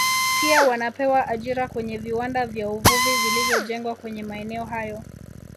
Pia wanapewa ajira kwenye viwanda vya uvuvi vilivyojengwa kwenye maeneo hayo